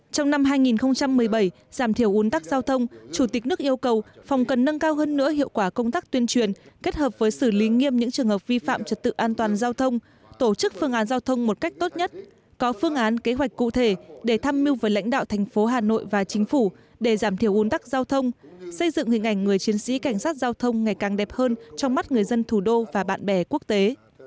trong năm hai nghìn một mươi bảy giảm thiểu uốn tắc giao thông chủ tịch nước yêu cầu phòng cần nâng cao hơn nữa hiệu quả công tác tuyên truyền kết hợp với xử lý nghiêm những trường hợp vi phạm trật tự an toàn giao thông tổ chức phương án giao thông một cách tốt nhất có phương án kế hoạch cụ thể để tham mưu với lãnh đạo thành phố hà nội và chính phủ để giảm thiểu uốn tắc giao thông xây dựng hình ảnh người chiến sĩ cảnh sát giao thông ngày càng đẹp hơn trong mắt người dân thủ đô và bạn bè quốc tế